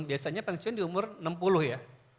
biasanya pensiun di umur enam puluh ya